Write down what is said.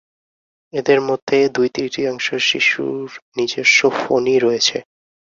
এদের মধ্যে দুই তৃতীয়াংশ শিশুর নিজস্ব ফোনই রয়েছে।